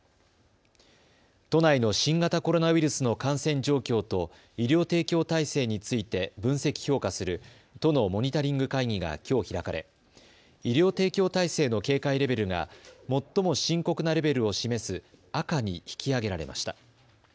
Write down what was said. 都内の新型コロナウイルスの感染状況と医療提供体制について分析・評価する都のモニタリング会議がきょう開かれ医療提供体制の警戒レベルが最も深刻なレベルを示す赤に引き上げられました。